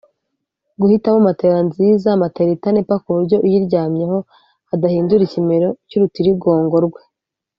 Guhitamo matera nziza(matera itanepa kuburyo uyiryamyeho adahindura ikimero cy’urutirigongo rwe)